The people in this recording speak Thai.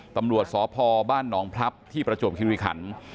ตำรวจสพบ้านหนองพลับที่ประจวบคิริขัน